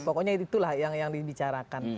pokoknya itulah yang dibicarakan